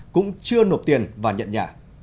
cũng chưa nộp tiền và nhận nhà